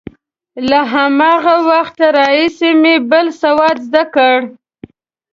له هماغه وخته راهیسې مې بل سواد زده کړ.